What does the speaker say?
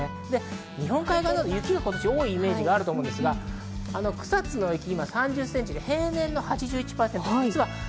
日本海側など雪が多いイメージがあるんですが、草津の雪、今３０センチ、平年の８１％。